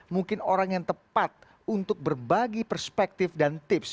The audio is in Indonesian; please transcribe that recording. mungkin orang yang tepat untuk berbagi perspektif dan tips